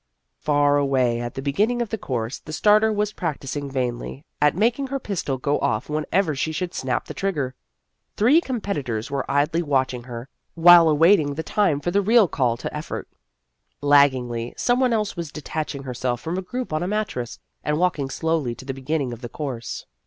Far away at the be ginning of the course, the starter was practising vainly at making her pistol go off whenever she should snap the trigger. Three competitors were idly watching her, while awaiting the time for the real call to effort. Laggingly some one else was detaching herself from a group on a mattress, and walking slowly to the beginning of the course.